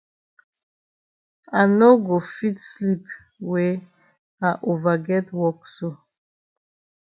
I no go fit sleep wey I ova get wok so.